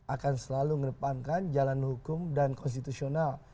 akan selalu mengedepankan jalan hukum dan konstitusional